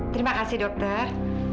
terima kasih dokter